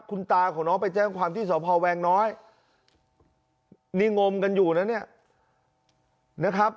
คุณตาของน้องไปแจ้งความที่สพแวงน้อยนี่งมกันอยู่นะเนี่ยนะครับ